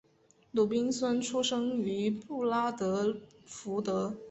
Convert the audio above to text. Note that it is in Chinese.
鲁宾逊出生于布拉德福德。